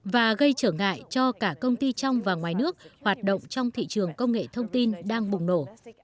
và gây trở ngại cho cả công ty trong và ngoài nước hoạt động trong thị trường công nghệ thông tin đang bùng nổ